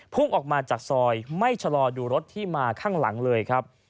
พุ่งออกมาจากซอยไม่ชะลอดูรถที่มาข้างหลังเลยครับ